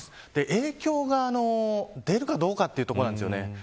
影響が出るかどうかというところ。